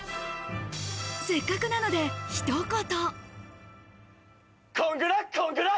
せっかくなので一言。